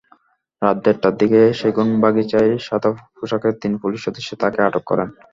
রাত দেড়টার দিকে সেগুনবাগিচায় সাদাপোশাকের তিন পুলিশ সদস্য তাঁকে আটক করেন।